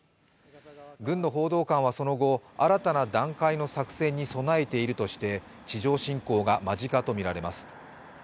軍の報道官はその後、新たな段階の作戦に備えているとして地上侵攻が間近と見られます。